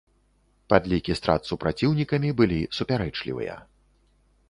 Падлікі страт супраціўнікамі былі супярэчлівыя.